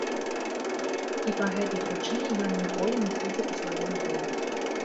І па гэтай прычыне ён ніколі не сыдзе па сваёй волі.